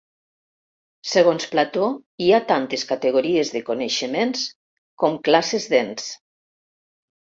Segons Plató hi ha tantes categories de coneixements com classes d'ens.